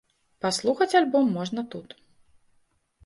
Паслухаць альбом можна тут.